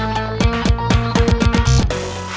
สวัสดีครับ